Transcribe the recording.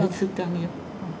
hết sức trang nghiêm